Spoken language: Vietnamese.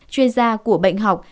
chuyên gia của bệnh học